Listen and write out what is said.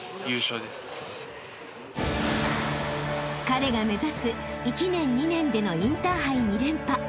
［彼が目指す１年２年でのインターハイ２連覇］